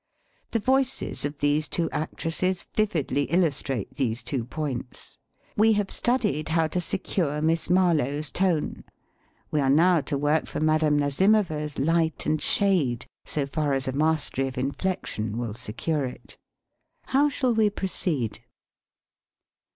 The voices of these two actresses vividly illustrate these two points. We have studied how to secure Miss Marlowe's tone. We are now to work for Madame Nazimova's light and shade, so far as a mastery of in flection will secure it. How shall we pro ceed?